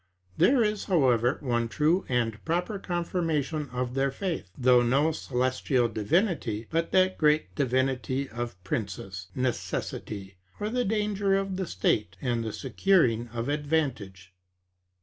There is, however, one true and proper confirmation of their faith, though no celestial divinity, but that great divinity of princes, Necessity; or, the danger of the state; and the securing of advantage.